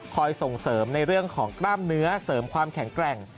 ส่งเสริมในเรื่องของกล้ามเนื้อเสริมความแข็งแกร่ง